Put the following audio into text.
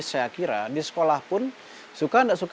saya kira di sekolah pun suka tidak suka